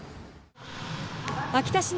秋田市内